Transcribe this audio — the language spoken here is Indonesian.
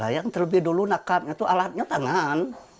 yang terlebih dulu nakamnya itu alatnya tangan